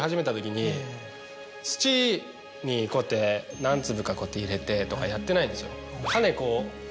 土にこうやって何粒かこうやって入れてとかやってないんですよ。